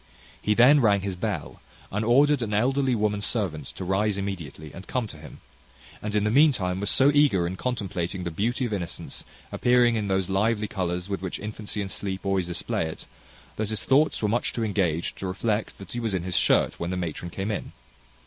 He then rang his bell, and ordered an elderly woman servant to rise immediately, and come to him; and in the meantime was so eager in contemplating the beauty of innocence, appearing in those lively colours with which infancy and sleep always display it, that his thoughts were too much engaged to reflect that he was in his shirt when the matron came in.